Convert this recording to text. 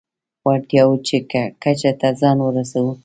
وړتیاوو کچه ته ځان ورسوو.